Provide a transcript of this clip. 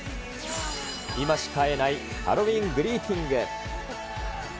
今しか会えないハロウィーングリーティング。